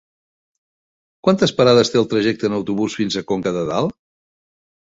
Quantes parades té el trajecte en autobús fins a Conca de Dalt?